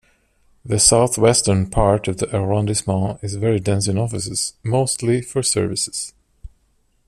The southwestern part of the arrondissement is very dense in offices, mostly for services.